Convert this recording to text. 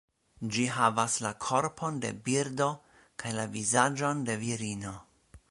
Ĝi havas la korpon de birdo kaj la vizaĝon de virino.